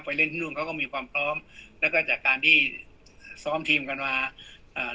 เล่นที่นู่นเขาก็มีความพร้อมแล้วก็จากการที่ซ้อมทีมกันมาอ่า